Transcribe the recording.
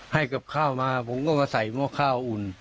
ให้กับข้าวมาผมก็มาใส่หม้อข้าวอุ่น